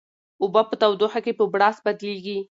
اوبه په تودوخه کې په بړاس بدلیږي.